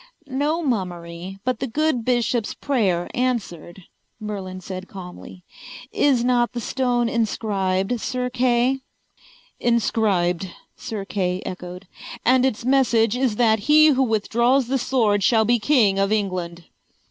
"No mummery, but the good bishop's prayer answered," Merlin said calmly. "Is not the stone inscribed, Sir Kay?" "Inscribed," Sir Kay echoed. "And its message is that he who withdraws the sword shall be king of England."